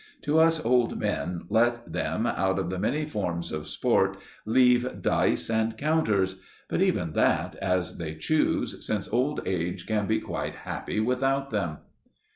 To us old men let them, out of the many forms of sport, leave dice and counters; but even that as they choose, since old age can be quite happy without them.